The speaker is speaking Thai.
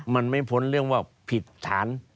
มันไม่พ้นเรื่องว่าผิดฐาน